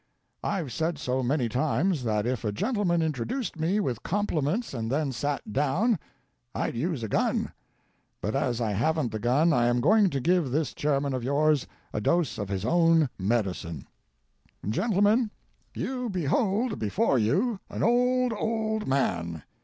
I've said so many times that if a gentleman introduced me with compliments and then sat down I'd use a gun. But as I haven't the gun I am going to give this Chairman of yours a dose of his own medicine. "Gentlemen, you behold before you an old, old man.